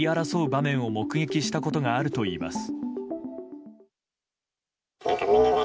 場面を目撃したことがあるといいます。